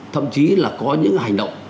thậm chí là có những hành động